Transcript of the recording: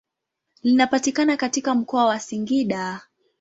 Linapatikana katika mkoa wa Singida.